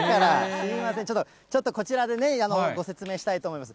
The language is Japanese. すみません、ちょっとこちらでね、ご説明したいと思います。